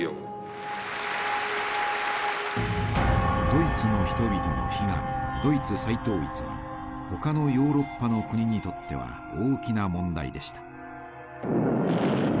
ドイツの人々の悲願ドイツ再統一は他のヨーロッパの国にとっては大きな問題でした。